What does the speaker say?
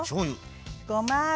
ごま油。